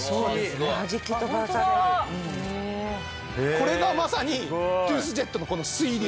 これがまさにトゥースジェットの水流。